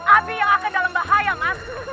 abi yang akan dalam bahaya ma